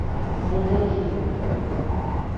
Онотор өсөн.